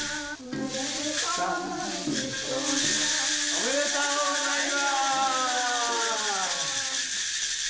おめでとうございまーす！